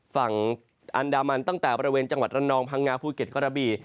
ฝั่งอันดามันตั้งแต่บริเวณจังหวัดระนองพังงาภูเก็ตกระบี่